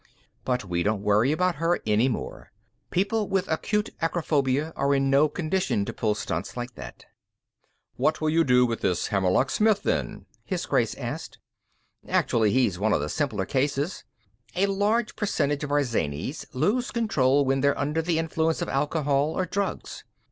"But we don't worry about her any more. People with acute acrophobia are in no condition to pull stunts like that." "What will you do to this Hammerlock Smith, then?" His Grace asked. "Actually, he's one of the simpler cases. A large percentage of our zanies lose control when they're under the influence of alcohol or drugs.